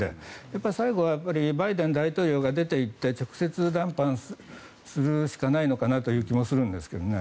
最後はバイデン大統領が出て行って直接談判するしかないのかなという気もするんですね。